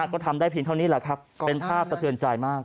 ก็ทำได้เพียงเท่านี้แหละครับเป็นภาพสะเทือนใจมาก